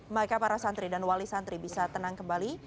mereka para santri dan wali santri bisa tenang kembali